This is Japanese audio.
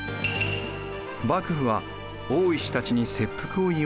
幕府は大石たちに切腹を言い渡します。